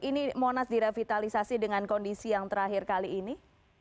ini monas direvitalisasi dengan kondisi yang terakhir kali ini